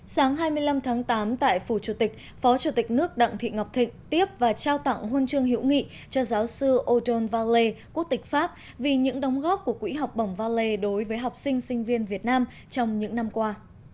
sáng hai mươi năm tháng tám tại phủ chủ tịch phó chủ tịch nước đặng thị ngọc thịnh tiếp và trao tặng huân chương hữu nghị cho giáo sư odon valet quốc tịch pháp vì những đóng góp của quỹ học bổng valet đối với học sinh sinh viên việt nam trong những năm qua